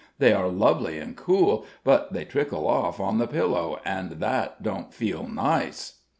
They are lovely and cool, but they trickle off on the pillow, and that don't feel nice."